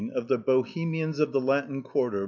194 THE BOHEMIANS OP THE LATIN QUARTER.